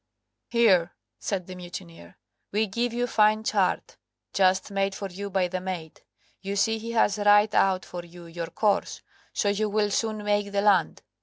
"Here," said the mutineer, "we give you fine chart, just made for you by the mate. You see he has write out for you your course, so you will soon make the land."